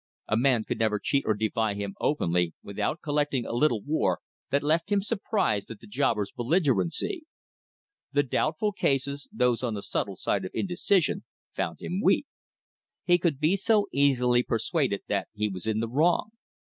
A man could never cheat or defy him openly without collecting a little war that left him surprised at the jobber's belligerency. The doubtful cases, those on the subtle line of indecision, found him weak. He could be so easily persuaded that he was in the wrong.